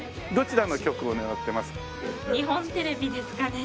どちらの局を狙ってますか？